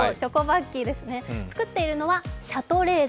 作っているのはシャトレーゼ。